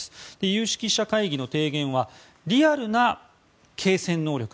有識者会議の提言はリアルな継戦能力